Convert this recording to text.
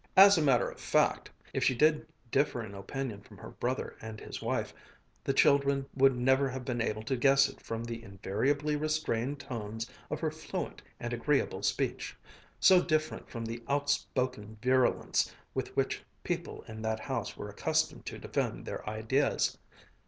As a matter of fact, if she did differ in opinion from her brother and his wife, the children would never have been able to guess it from the invariably restrained tones of her fluent and agreeable speech, so different from the outspoken virulence with which people in that house were accustomed to defend their ideas.